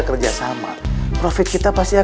mereka jadi orang tentara